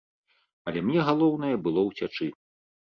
Але мне галоўнае было ўцячы.